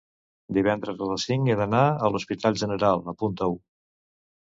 Divendres a les cinc he d'anar a l'Hospital General, apunta-ho.